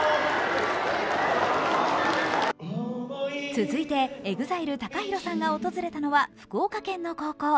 続いて、ＥＸＩＬＥ・ＴＡＫＡＨＩＲＯさんが訪れたのは福岡県の高校。